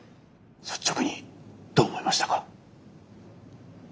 率直にどう思いましたか？